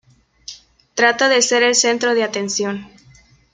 Trata de ser el centro de atención.